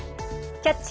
「キャッチ！